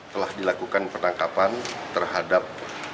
telah dilakukan penangkapan terhadap